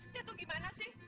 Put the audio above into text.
datuk gimana sih